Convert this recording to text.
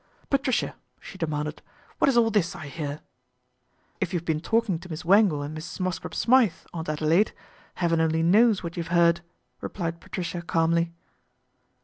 " Patricia," she demanded, " what is all this I hear ?"" If you've been talking to Miss Wangle and Mrs. Mosscrop Smythe, Aunt Adelaide, heaven only knows what you've heard," replied Patricia calmly.